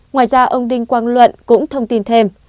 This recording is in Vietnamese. ngoài ra ông đinh quang luận cũng thông tin thêm